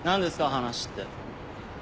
話って。